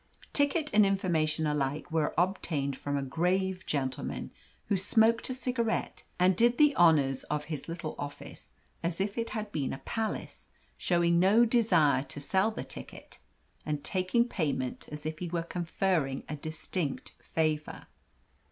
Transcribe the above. Ticket and information alike were obtained from a grave gentleman who smoked a cigarette, and did the honours of his little office as if it had been a palace showing no desire to sell the ticket, and taking payment as if he were conferring a distinct favour.